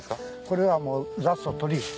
これは雑草取り。